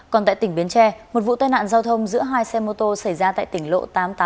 còn tại tỉnh bến tre một vụ tai nạn giao thông giữa hai xe mô tô xảy ra tại tỉnh lộ tám trăm tám mươi tám